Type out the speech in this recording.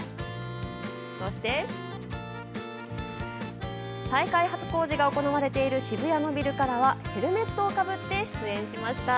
そして再開発工事が行われている渋谷のビルからはヘルメットをかぶって出演しました。